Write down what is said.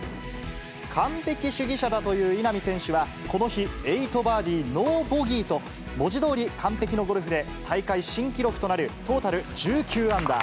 完璧主義者だという稲見選手は、この日８バーディー、ノーボギーと、文字どおり完璧のゴルフで、大会新記録となるトータル１９アンダー。